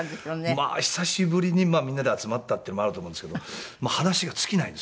まあ久しぶりにみんなで集まったっていうのもあると思うんですけど話が尽きないんですよね。